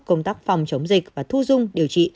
công tác phòng chống dịch và thu dung điều trị